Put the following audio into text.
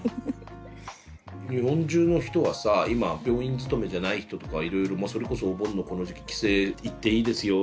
日本中の人はさ今病院勤めじゃない人とかはいろいろそれこそお盆のこの時期帰省行っていいですよ